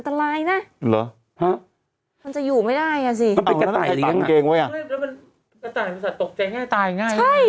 ดีตรงนี้มันศักดิ์ต่ายนะ